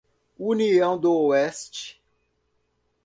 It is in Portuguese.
União do Oeste